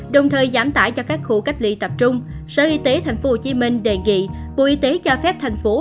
đồng thời giảm tải cho các khu cách ly tập trung sở y tế tp hcm đề nghị bộ y tế cho phép thành phố